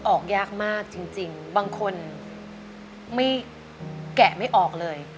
ออกยากมากจริงบางคนไม่แกะไม่ออกเลย